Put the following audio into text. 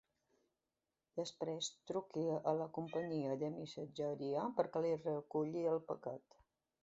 Després truqui a la companyia de missatgeria perquè li reculli el paquet.